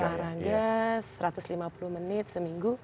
olahraga satu ratus lima puluh menit seminggu